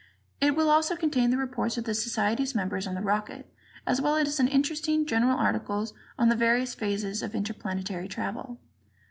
It will also contain the reports of the Society's members on the rocket, as well as interesting general articles on the various phases of interplanetary travel.